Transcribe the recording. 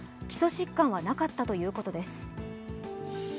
基礎疾患はなかったということです。